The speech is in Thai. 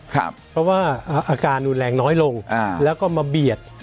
เพราะว่าอาการรุนแรงน้อยลงแล้วก็มาเบียด